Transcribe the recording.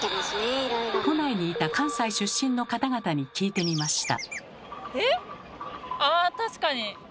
都内にいた関西出身の方々に聞いてみました。